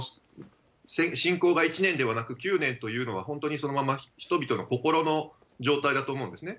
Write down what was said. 侵攻が１年ではなく９年というのは、本当にそのまま人々の心の状態だと思うんですね。